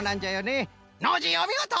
ノージーおみごと！